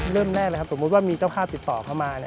เริ่มแรกเลยครับสมมุติว่ามีเจ้าภาพติดต่อเข้ามา